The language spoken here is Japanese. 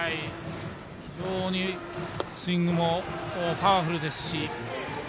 非常にスイングもパワフルですし。